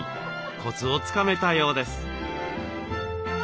コツをつかめたようです。